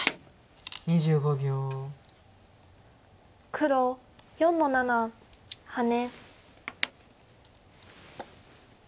黒４の七ハネ。